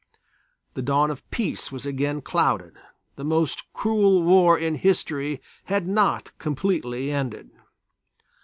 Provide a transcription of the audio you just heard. The dawn of peace was again clouded, the most cruel war in history had not completely ended.